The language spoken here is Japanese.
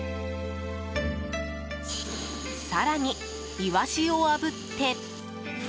更に、イワシをあぶって。